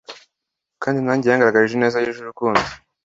kandi nanjye yangaragarije ineza yuje urukundo